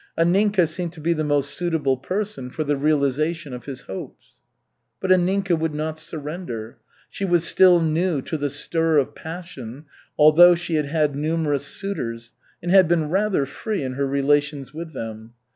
Anninka seemed to be the most suitable person for the realization of his hopes. But Anninka would not surrender. She was still new to the stir of passion, although she had had numerous suitors and had been rather free in her relations with them.